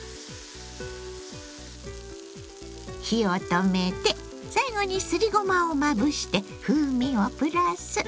火を止めて最後にすりごまをまぶして風味をプラス。